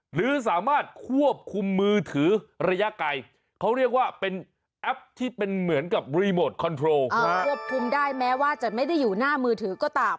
หรือสามารถควบคุมมือถือระยะไกลเขาเรียกว่าเป็นแอปที่เป็นเหมือนกับรีโมทคอนโทรควบคุมได้แม้ว่าจะไม่ได้อยู่หน้ามือถือก็ตาม